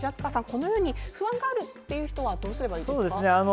このように不安がある人はどうすればいいですか？